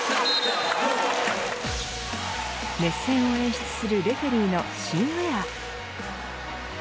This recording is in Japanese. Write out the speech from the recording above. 熱戦を演出するレフェリーの新ウエア。